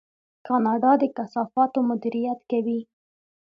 کاناډا د کثافاتو مدیریت کوي.